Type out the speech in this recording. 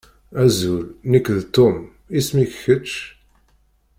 Azul, nekk d Tom. Isem-ik kečč?